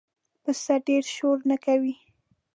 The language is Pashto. پسه ډېره شور نه کوي.